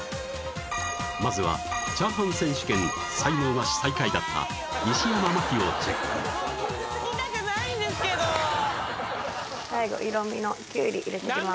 まずはチャーハン選手権才能ナシ最下位だった西山茉希をチェック見たくないんですけど最後色みのきゅうり入れていきます